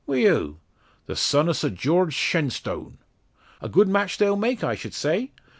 "Wi' who?" "The son o' Sir George Shenstone." "A good match they'll make, I sh'd say.